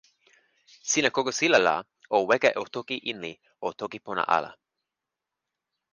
sina kokosila la o weka o toki Inli o toki pona ala.